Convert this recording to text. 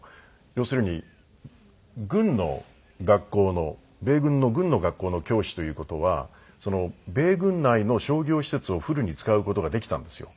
要するに軍の学校の米軍の軍の学校の教師という事は米軍内の商業施設をフルに使う事ができたんですよ。